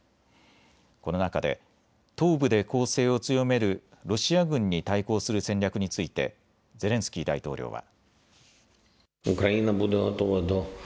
この中で東部で攻勢を強めるロシア軍に対抗する戦略についてゼレンスキー大統領は。